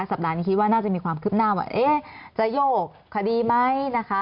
สัปดาห์นี้คิดว่าน่าจะมีความคืบหน้าว่าจะโยกคดีไหมนะคะ